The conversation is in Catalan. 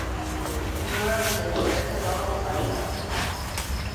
No em deixaré posar l'albarda.